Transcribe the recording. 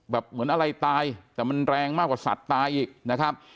เหมือนอะไรตายแต่มันแรงมากกว่าสัตว์ตายอีกนะครับ